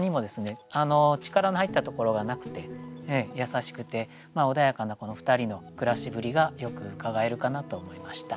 力の入ったところがなくて優しくて穏やかなこのふたりの暮らしぶりがよくうかがえるかなと思いました。